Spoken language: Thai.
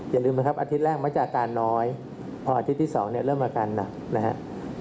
อย่าลืมนะครับอาทิตย์แรกมักจะอาการน้อยพออาทิตย์ที่๒เนี่ยเริ่มอาการหนักนะครับ